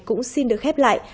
cũng xin được khép lại